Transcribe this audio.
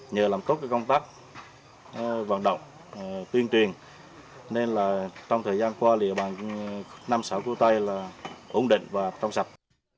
nhờ làm tốt công tác vận động tuyên truyền trong thời gian qua nằm sở của tay ổn định và trong sạch